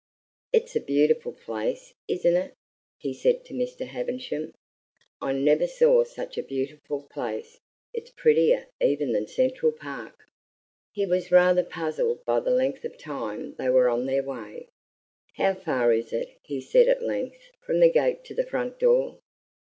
"It's a beautiful place, isn't it?" he said to Mr. Havisham. "I never saw such a beautiful place. It's prettier even than Central Park." He was rather puzzled by the length of time they were on their way. "How far is it," he said, at length, "from the gate to the front door?"